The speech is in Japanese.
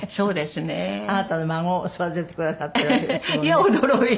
あなたの孫を育ててくださってるわけですものね。